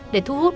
để thu hút